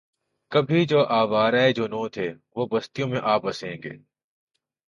کبھی جو آوارۂ جنوں تھے وہ بستیوں میں آ بسیں گے